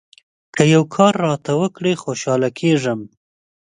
که یو کار راته وکړې ، خوشاله کېږم.